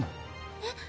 えっ？